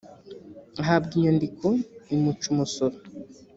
ahabwa inyandiko imuca umusoro